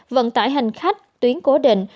vận tải hành khách tuyến cố định